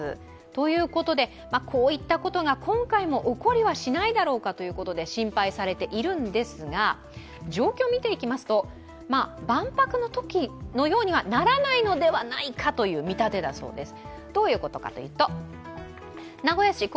ということで、こういったことが今回も起こりはしないかということで心配されているんですが、状況を見ていきますと万博のときのようにはならないのではないかという見立てだそうです。